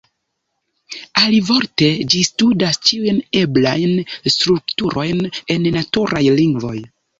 Alivorte, ĝi studas ĉiujn eblajn strukturojn en naturaj lingvoj.